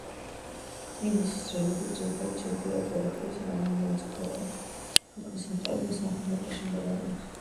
ნგლისის რელიეფი, ძირითადად, შედგება გორაკებისგან რომელიც ძირითადად ქვეყნის ცენტრალურ და სამხრეთ ნაწილში მდებარეობს